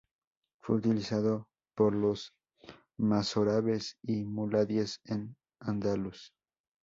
Fue utilizado por los mozárabes y muladíes en Al-Andalus.